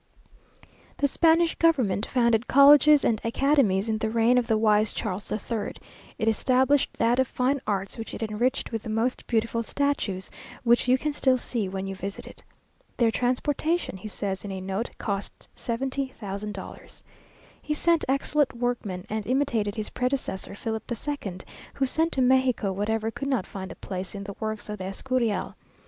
"The Spanish government founded colleges and academies in the reign of the wise Charles the Third; it established that of fine arts, which it enriched with the most beautiful statues, which you can still see when you visit it. ("Their transportation," he says in a note, "cost seventy thousand dollars.") He sent excellent workmen, and imitated his predecessor Philip the Second, who sent to Mexico whatever could not find a place in the works of the Escurial.